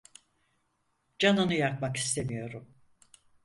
Canını yakmak istemiyorum.